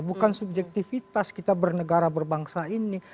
bukan subjektivitas kita bernegara berbangsa ini